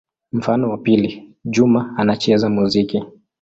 Mfano wa pili: Juma anacheza muziki.